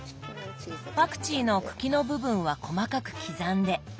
パクチーの茎の部分は細かく刻んで。